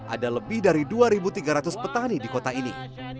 ada lebih dari dua tiga ratus petani di kota ini